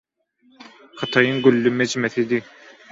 Hytaýyň gülli mejmesidi.